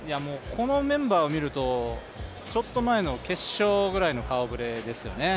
このメンバーを見ると、ちょっと前の決勝ぐらいの顔ぶれですよね。